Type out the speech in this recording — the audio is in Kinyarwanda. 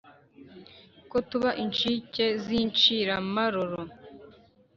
ko tuba inshike z’inshiramaroro